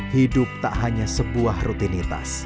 hidup tak hanya sebuah rutinitas